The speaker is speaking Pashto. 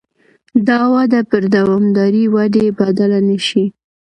دا وده پر دوامدارې ودې بدله نه شي.